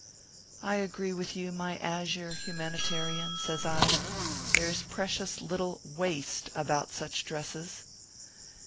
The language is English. " I agree with you, my azure humanitarian," says I. " There s precious little waist about such dresses."